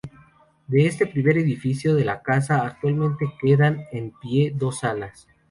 De este primer edificio de la Casa, actualmente quedan en pie dos salas.